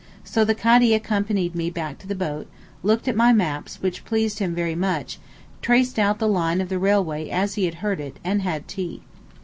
So the Kadee accompanied me back to the boat, looked at my maps, which pleased him very much, traced out the line of the railway as he had heard it, and had tea.